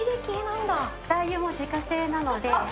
ラー油も自家製なので。